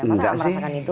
masa anda merasakan itu